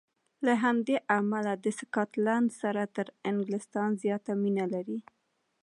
له همدې امله د سکاټلنډ سره تر انګلیستان زیاته مینه لري.